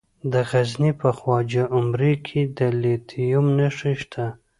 د غزني په خواجه عمري کې د لیتیم نښې شته.